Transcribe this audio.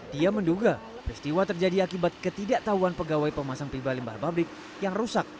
dia menduga peristiwa terjadi akibat ketidaktahuan pegawai pemasang pipa limbah pabrik yang rusak